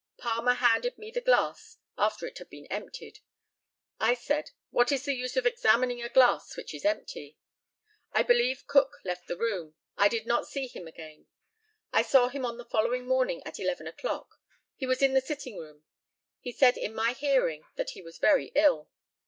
Palmer handed me the glass after it had been emptied. I said, "What is the use of examining a glass which is empty?" I believe Cook left the room. I did not see him again. I saw him on the following morning at eleven o'clock. He was in his sitting room. He said in my hearing that he was very ill.